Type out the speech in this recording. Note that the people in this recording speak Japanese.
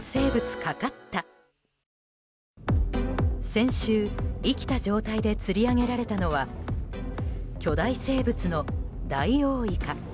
先週、生きた状態で釣り上げられたのは巨大生物の、ダイオウイカ。